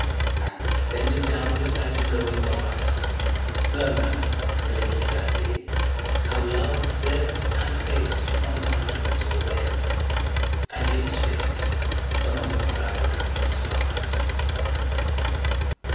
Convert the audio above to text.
And bending down beside the glowing bars Murmur, a little sadly, how love fled And paced upon the mountains overhead And hid his face amid a crowd of stars.